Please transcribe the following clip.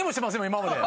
今まで。